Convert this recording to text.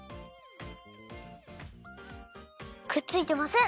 くっついてません！